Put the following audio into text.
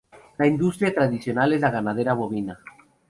La industria tradicional es la ganadería bovina.